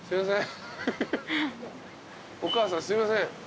お母さんすいません。